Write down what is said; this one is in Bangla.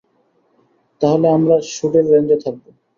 তাহলে আমরা শ্যুটের রেঞ্জে থাকব।